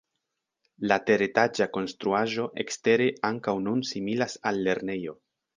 La teretaĝa konstruaĵo ekstere ankaŭ nun similas al lernejo.